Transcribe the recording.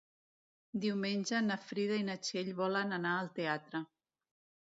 Diumenge na Frida i na Txell volen anar al teatre.